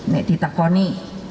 nek di takoni